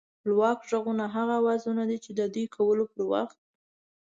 خپلواک غږونه هغه اوازونه دي چې د دوی کولو پر وخت